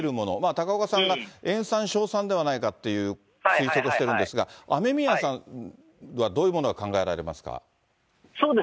高岡さんが塩酸、硝酸ではないかという推測をしているんですが、雨宮さんはどういうものが考えられますか？